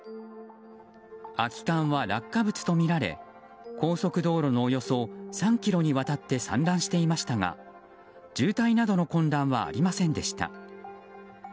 空き缶は落下物とみられ高速道路のおよそ３ｋｍにわたって散乱していましたが渋滞などの混乱はありませんでした。